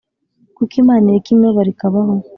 Kuki Imana ireka imibabaro ikabaho?